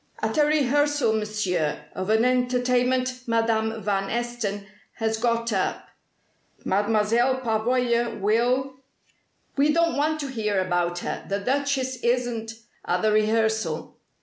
"At a rehearsal, Monsieur, of an entertainment Madame van Esten has got up. Mademoiselle Pavoya will " "We don't want to hear about her. The Duchess isn't at the rehearsal."